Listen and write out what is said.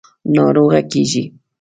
– ناروغه کېږې.